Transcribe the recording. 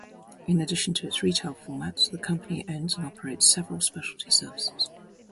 In addition to its retail formats, the company owns and operates several specialty services.